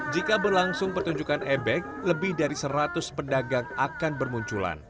jika berlangsung pertunjukan ebek lebih dari seratus pedagang akan bermunculan